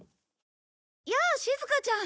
やあしずかちゃん。